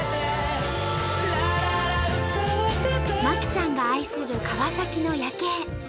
真希さんが愛する川崎の夜景。